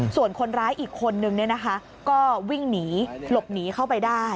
ส่วนคนร้ายอีกคนนึงก็วิ่งหนีหลบหนีเข้าไปได้